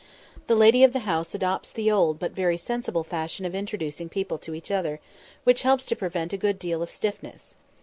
] The lady of the house adopts the old but very sensible fashion of introducing people to each other, which helps to prevent a good deal of stiffness.